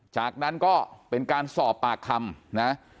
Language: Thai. จากนั้นก็เป็นการสอบปากคำนะ